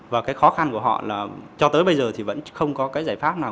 và cái khó khăn của họ là cho tới bây giờ thì vẫn không có cái giải pháp nào